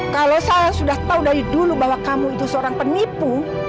kalau saya sudah tahu dari dulu bahwa kamu itu seorang penipu